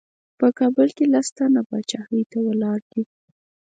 په کابل کې لس تنه پاچاهۍ ته ولاړ دي.